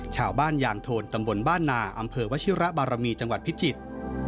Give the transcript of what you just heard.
ชาวบ้านยางโทนตำบลบ้านนาอำเภอวชิระบารมีจังหวัดพิจิตร